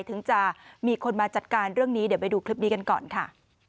ถึงจะมีคนมาจัดการเรื่องนี้เดี๋ยวไปดูคลิปนี้กันก่อนค่ะ